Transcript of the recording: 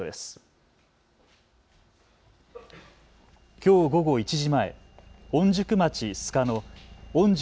きょう午後１時前、御宿町須賀の御宿